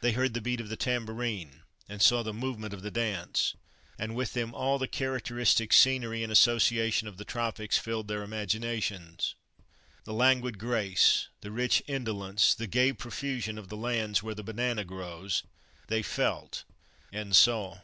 They heard the beat of the tambourine, and saw the movement of the dance, and with them all the characteristic scenery and association of the tropics filled their imaginations. The languid grace, the rich indolence, the gay profusion of the lands where the banana grows, they felt and saw.